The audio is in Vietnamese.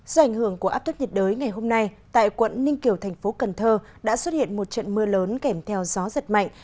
do ảnh hưởng của áp thấp nhiệt đới ngày hôm nay tại quận ninh kiều thành phố cần thơ đã xuất hiện một trận mưa lớn kèm theo gió giật mạnh